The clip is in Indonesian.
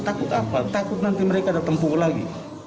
takut apa takut nanti mereka datang pukul lagi